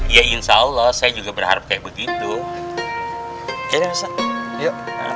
ya insyaallah saya juga berharap kayak begitu ya